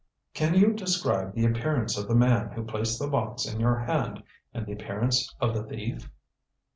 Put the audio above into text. "Can you describe the appearance of the man who placed the box in your hand and the appearance of the thief?"